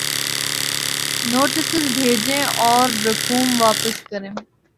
Notices بھیجیں اور رقوم واپس کرائیں۔